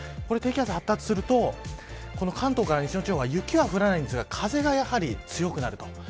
低気圧が発達すると関東から西の地方は雪は降らないんですが風が強くなる。